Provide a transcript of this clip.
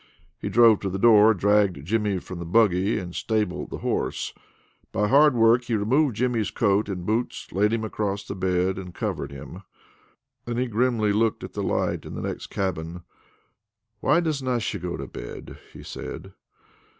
He drove to the door, dragged Jimmy from the buggy, and stabled the horse. By hard work he removed Jimmy's coat and boots, laid him across the bed, and covered him. Then he grimly looked at the light in the next cabin. "Why doesna she go to bed?" he said.